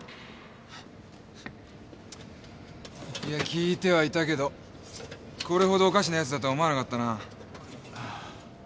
いや聞いてはいたけどこれほどおかしなヤツだとは思わなかったな。